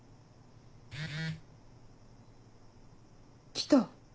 来た。